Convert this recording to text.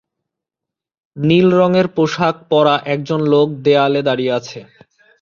নীল রঙের পোশাক পরা একজন লোক দেয়ালে দাঁড়িয়ে আছে।